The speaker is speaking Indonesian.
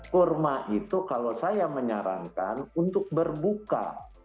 kurma itu kalau saya menyarankan untuk berbuka